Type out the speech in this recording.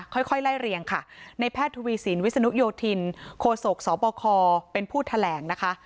ค่อยไล่เรียงค่ะในแพทย์ทวีสินวิศนุโยธินโคศกสบคเป็นผู้แถลงนะคะ